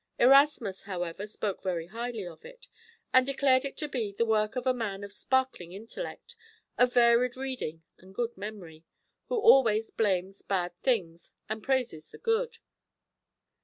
Erasmus, however, spoke very highly of it, and declared it to be "the work of a man of sparkling intellect, of varied reading and good memory, who always blames bad things, and praises the good."